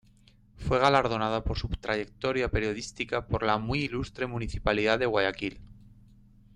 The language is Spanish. Fue galardonada por su trayectoria periodística por la Muy Ilustre Municipalidad de Guayaquil.